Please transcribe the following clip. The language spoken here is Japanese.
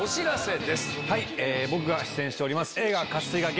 僕が出演しております映画。